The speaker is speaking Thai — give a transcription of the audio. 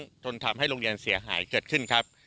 จนทำให้โรงเรียนเสียหายเกิดขึ้นครับ